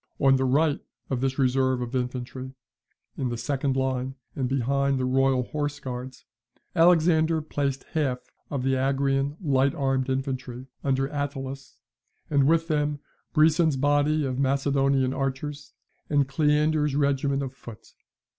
On the right of this reserve of infantry, in the second line, and behind the royal horse guards, Alexander placed half the Agrian light armed infantry under Attalus, and with them Brison's body of Macedonian archers, and Cleander's regiment of foot.